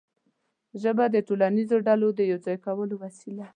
ژبه د ټولنیزو ډلو د یو ځای کولو وسیله ده.